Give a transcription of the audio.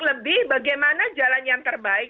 lebih bagaimana jalan yang terbaik